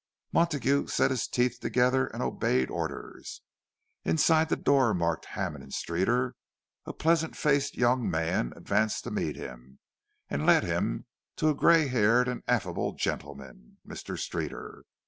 Montague set his teeth together and obeyed orders. Inside the door marked Hammond and Streeter a pleasant faced young man advanced to meet him, and led him to a grey haired and affable gentleman, Mr. Streeter.